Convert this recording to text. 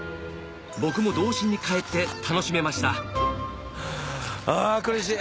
僕も童心に返って楽しめました苦しい！